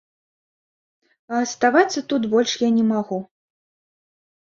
А аставацца тут больш я не магу.